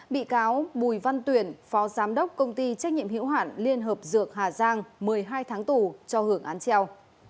bị cáo bùi văn tuyển phó giám đốc công ty trách nhiệm hiểu hạn liên hợp dược hà giang một mươi hai tháng tù cho hưởng án treo